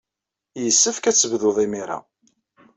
Yessefk ad tebduḍ imir-a.